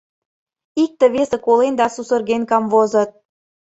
Икте-весе колен да сусырген камвозыт.